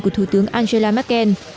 của thủ tướng angela merkel